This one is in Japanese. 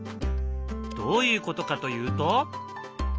どういうことかというと。